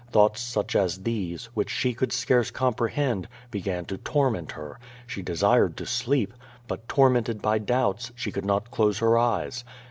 Thoughts such as these, which she could scarce comprehend, began to torment her. She desired to sleep, but, tormented by doubts, she could not close her eyes.